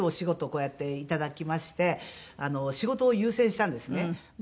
こうやっていただきまして仕事を優先したんですね。